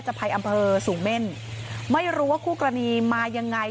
ภัยอำเภอสูงเม่นไม่รู้ว่าคู่กรณีมายังไง